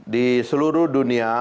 di seluruh dunia